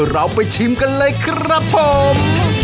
เราไปชิมกันเลยครับผม